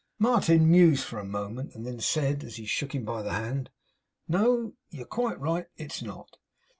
Martin mused a moment; and then said, as he shook him by the hand: 'No. You're quite right; it is not.